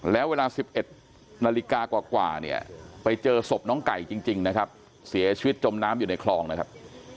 แล้วเวลา๑๑นาฬิกากว่าเนี่ยไปเจอศพน้องไก่จริงนะครับเสียชีวิตจมน้ำอยู่ในคลองนะครับ